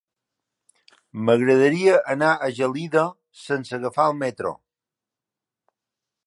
M'agradaria anar a Gelida sense agafar el metro.